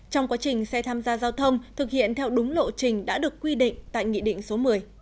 trong quá trình xe tham gia giao thông thực hiện theo đúng lộ trình đã được quy định tại nghị định số một mươi